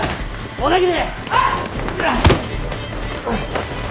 小田切！